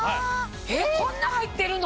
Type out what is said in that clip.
こんな入ってるの？